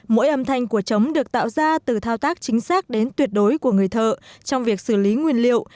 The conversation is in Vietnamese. mỗi âm thanh của chống được tạo ra từ thao tác chính xác đến tuyệt đối của người thợ trong việc xử lý nguyên liệu